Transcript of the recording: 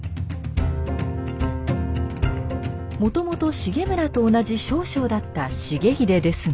もともと重村と同じ少将だった重豪ですが。